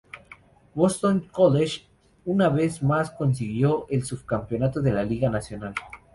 Boston College una vez más consiguió el sub-campeonato de la Liga Nacional.